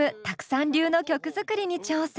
Ｔａｋｕさん流の曲作りに挑戦！